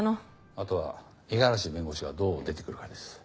あとは五十嵐弁護士がどう出てくるかです。